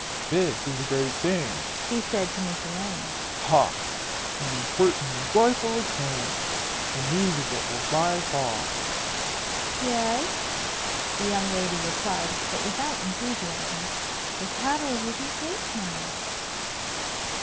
"This is a great thing!" he said to Miss Elaine. "Ha! an important and joyful occurrence. The news of it will fly far." "Yes," the young lady replied, but without enthusiasm. "The cattle will be safe now."